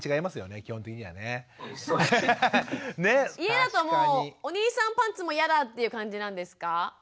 家だともうお兄さんパンツもやだっていう感じなんですか？